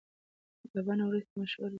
دا بڼه وروسته مشهوره شوه.